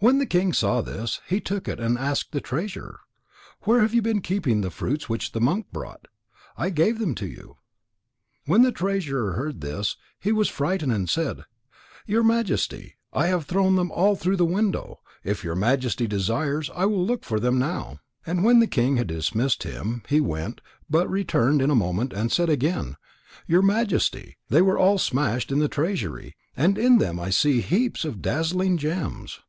When the king saw this, he took it and asked the treasurer: "Where have you been keeping the fruits which the monk brought? I gave them to you." When the treasurer heard this, he was frightened and said: "Your Majesty, I have thrown them all through the window. If your Majesty desires, I will look for them now." And when the king had dismissed him, he went, but returned in a moment, and said again: "Your Majesty, they were all smashed in the treasury, and in them I see heaps of dazzling gems."